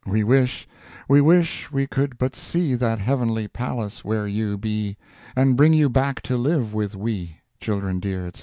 We wish, we wish we could but see That heavenly palace where you be, And bring you back to live with we, Children dear, &c.